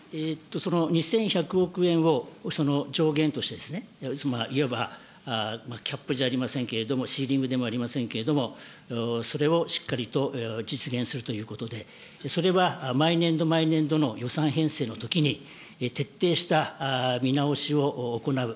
２１００億円を上限としてですね、いわばキャップじゃありませんけれども、でもありませんけど、それをしっかりと実現するということで、それは毎年度毎年度の予算編成のときに、徹底した見直しを行う。